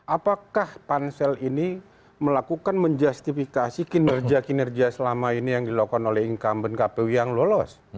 apakah pansel ini melakukan menjustifikasi kinerja kinerja selama ini yang dilakukan oleh incumbent kpu yang lolos